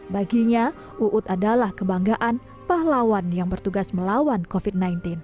baginya uud adalah kebanggaan pahlawan yang bertugas melawan covid sembilan belas